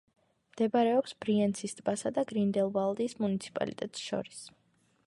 მდებარეობს ბრიენცის ტბასა და გრინდელვალდის მუნიციპალიტეტს შორის.